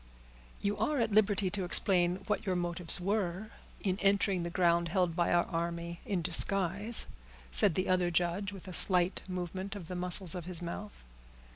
"You are at liberty to explain what your motives were in entering the ground held by our army in disguise," said the other judge, with a slight movement of the muscles of his mouth.